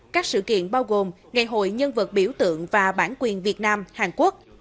các sự kiện bao gồm ngày hội nhân vật biểu tượng và bản quyền việt nam hàn quốc